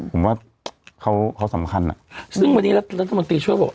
ผมว่าเขาเขาสำคัญอ่ะซึ่งวันนี้รัฐมนตรีช่วยบอก